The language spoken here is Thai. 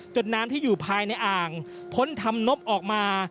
น้ำที่อยู่ภายในอ่างพ้นธรรมนบออกมา